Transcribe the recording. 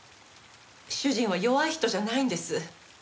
主人は弱い人じゃないんです。